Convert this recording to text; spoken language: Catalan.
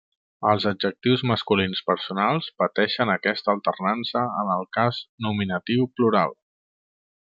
Els adjectius masculins personals pateixen aquesta alternança en el cas nominatiu plural.